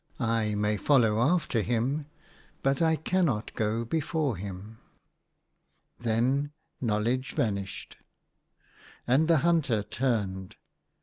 I may follow after him, but I cannot go before him." THE HUNTER. 35 Then Knowledge vanished. And the hunter turned.